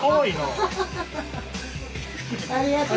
ありがとう。